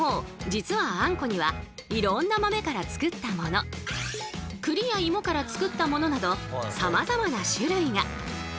実はあんこにはいろんな豆から作ったもの栗やいもから作ったものなどさまざまな種類が。